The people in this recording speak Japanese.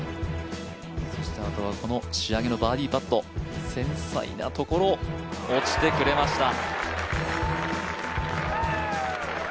この仕上げのバーディーパット、繊細なところ、落ちてくれました。